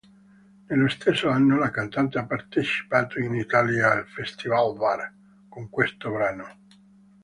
Nello stesso anno, la cantante ha partecipato in Italia al "Festivalbar" con questo brano.